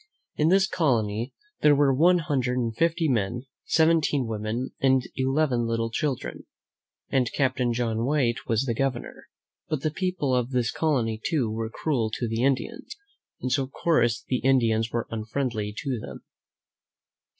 In this colony there were one hundred and fifty men, seventeen women, and eleven little children, and Captain John White was their Governor. But the people of this colony, too, were cruel to the Indians, and so, of course, the Indians were unfriendly to them.